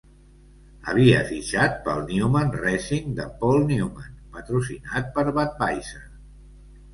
Havia fitxat pel Newman Racing de Paul Newman, patrocinat per Budweiser.